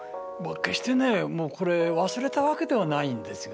決してねこれ忘れたわけではないんですよね。